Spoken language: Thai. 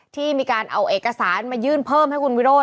ที่มีการเอาเอกสารมายื่นเพิ่มให้คุณวิโรธ